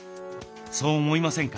そう思いませんか？